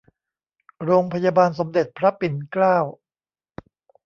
โรงพยาบาลสมเด็จพระปิ่นเกล้า